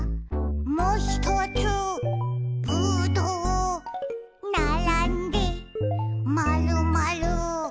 「もひとつぶどう」「ならんでまるまる」